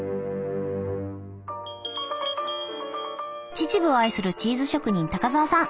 秩父を愛するチーズ職人高沢さん。